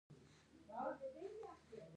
آیا عصري زده کړې کیږي؟